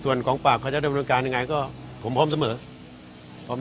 ส่วนกองปราบเขาจะได้บริษัทการยังไงก็ผมพร้อมเสมอ